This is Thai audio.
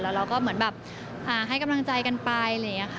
แล้วเราก็เป็นแบบให้กำลังใจกันไป